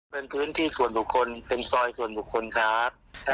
เป็นพื้นที่ส่วนบุคคลเป็นซอยส่วนบุคคลครับ